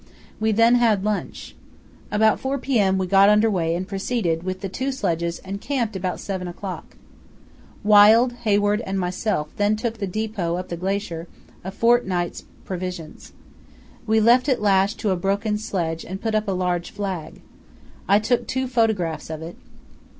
We then had lunch. About 4 p.m. we got under way and proceeded with the two sledges and camped about 7 o'clock. Wild, Hayward and myself then took the depot up the Glacier, a fortnight's provisions. We left it lashed to a broken sledge and put up a large flag. I took two photographs of it.